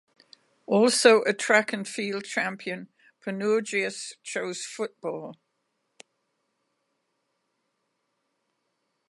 Also a track and field champion, Panourgias chose football.